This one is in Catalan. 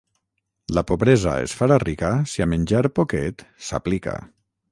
La pobresa es farà rica si a menjar poquet s'aplica.